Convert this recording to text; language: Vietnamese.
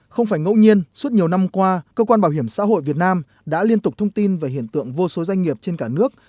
không phải ngẫu nhiên suốt nhiều năm qua cơ quan bảo hiểm xã hội việt nam đã liên tục thông tin về hiện tượng vô số doanh nghiệp trên cả nước